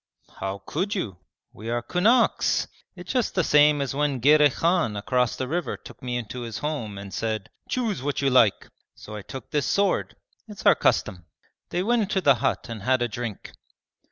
'How could you? We are kunaks. It's just the same as when Girey Khan across the river took me into his home and said, "Choose what you like!" So I took this sword. It's our custom.' They went into the hut and had a drink.